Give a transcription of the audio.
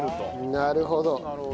なるほど！